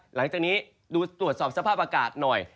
หลังจากนี้ดูตรวจสอบสภาพอากาศหน่อย